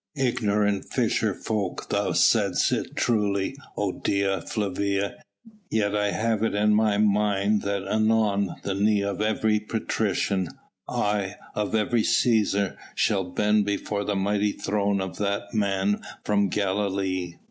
"Ignorant fisher folk thou saidst it truly, O Dea Flavia, yet I have it in my mind that anon the knee of every patrician aye! of every Cæsar shall bend before the mighty throne of that Man from Galilee."